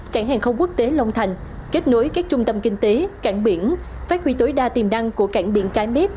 cảng hàng không quốc tế long thành kết nối các trung tâm kinh tế cảng biển phát huy tối đa tiềm năng của cảng biển cái mép